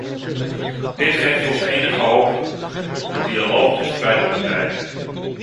Dit geeft ons enige hoop op een dialoog tussen beide partijen.